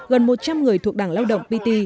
gần một trăm linh người thuộc đảng lao động pt